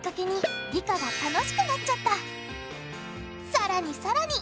さらにさらに！